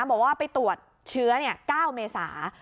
บอกว่าไปตรวจเชื้อ๙เมษา